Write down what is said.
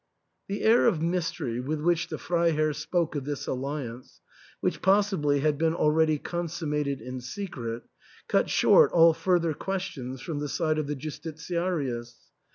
The air of mystery with which the Freiherr spoke of this alliance, which possibly had been already con summated in secret, cut short all further questions from the side of the Justitiarius.